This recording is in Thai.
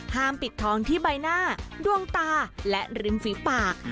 ปิดทองที่ใบหน้าดวงตาและริมฝีปาก